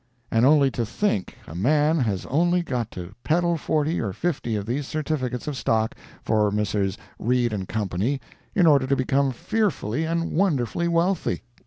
And only to think—a man has only got to peddle forty or fifty of these certificates of stock for Messrs. Read & Co. in order to become fearfully and wonderfully wealthy!